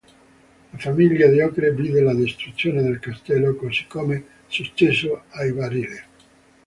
La famiglia di Ocre vide la distruzione del castello, così come successo ai Barile.